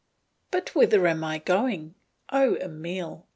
But whither am I going? O Emile!